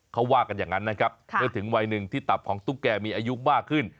เขาว่ากันอย่างนั้นนะครับเมื่อถึงวัยหนึ่งที่ตับของตุ๊กแกมีอายุมากขึ้น